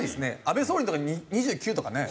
安倍総理の時２９とかね。